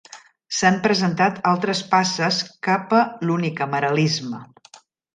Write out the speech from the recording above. S'han presentat altres passes cap a l'unicameralisme.